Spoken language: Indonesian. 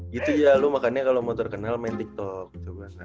gitu ya lu makanya kalau mau terkenal main tiktok